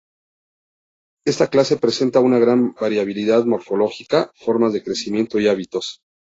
Esta clase presenta una gran variabilidad morfológica, formas de crecimiento y hábitos.